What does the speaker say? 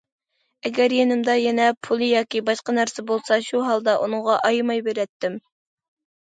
ئەگەر يېنىمدا يەنە پۇل ياكى باشقا نەرسە بولسا شۇ ھالدا ئۇنىڭغا ئايىماي بېرەتتىم.